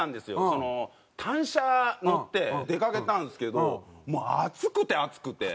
その単車乗って出かけたんですけどもう暑くて暑くて。